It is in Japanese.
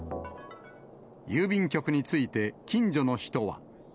郵便局について、近所の人は。